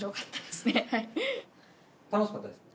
楽しかったですか？